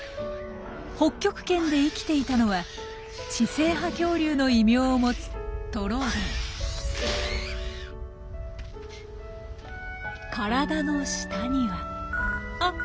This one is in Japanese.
北極圏で生きていたのは知性派恐竜の異名を持つ体の下にはあ！